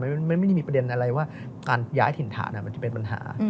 มันไม่ได้มีประเด็นอะไรว่าการย้ายถิ่นฐานมันจะเป็นปัญหา